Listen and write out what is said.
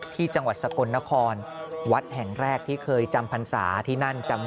จังหวัดสกลนครวัดแห่งแรกที่เคยจำพรรษาที่นั่นจำ